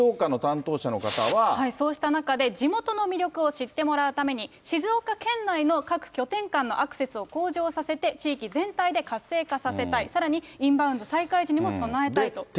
そうした中で、地元の魅力を知ってもらうために、静岡県内の各拠点間のアクセスを向上させて、地域全体で活性化させたい、さらにインバウンド再開時にも備えたいと。